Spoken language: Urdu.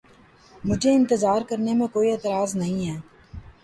مجھے اِنتظار کرنے میں کوئی اعتراض نہیں ہے۔